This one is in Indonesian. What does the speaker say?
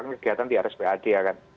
kegiatan di rspad ya kan